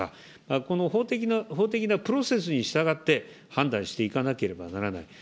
この法的なプロセスに従って、判断していかなければならない。